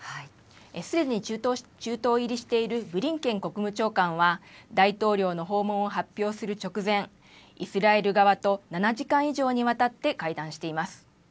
すでに中東入りしているブリンケン国務長官は、大統領の訪問を発表する直前、イスラエル側と７時間以上にわたって会談しています。